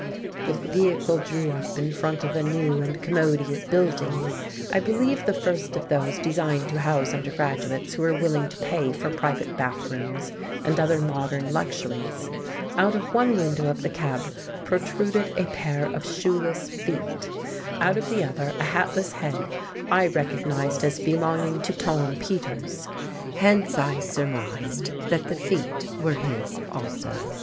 The vehicle drew up in front of a new and commodious building, I believe the first of those designed to house undergraduates who were willing to pay for private bathrooms and other modern luxuries; out of one window of the cab protruded a pair of shoeless feet, out of the other a hatless head I recognized as belonging to Tom Peters; hence I surmised that the feet were his also.